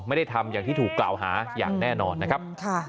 ไม่ได้ทำอย่างที่ถูกกล่าวหาอย่างแน่นอนนะครับ